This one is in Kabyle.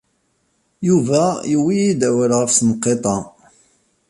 Yuba yuwey-d awal ɣef tenqiḍt-a.